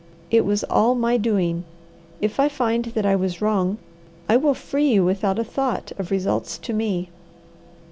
It was all my doing. If I find that I was wrong, I will free you without a thought of results to me.